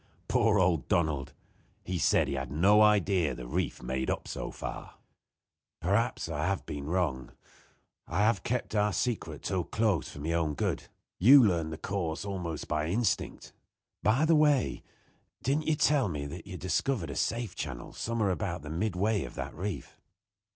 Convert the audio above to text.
Poor old Donald! He said he had no idea the reef made up so far. "Perhaps I have been wrong. I have kept our secret too close for my own good. You learned the course almost by instinct. By the way didn't you tell me that you had discovered a safe channel some where about midway of that reef?"